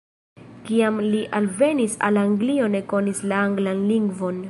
Kiam li alvenis al Anglio ne konis la anglan lingvon.